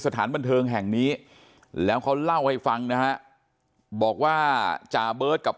สถานบันเทิงแห่งนี้แล้วเขาเล่าให้ฟังนะฮะบอกว่าจ่าเบิร์ตกับ